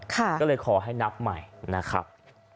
ก็เลยขอให้นับใหม่นะครับ